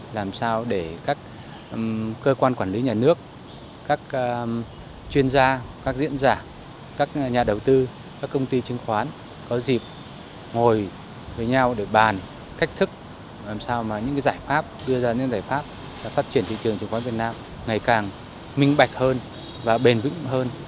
làm sao mà những giải pháp đưa ra những giải pháp để phát triển thị trường chứng khoán việt nam ngày càng minh bạch hơn và bền vững hơn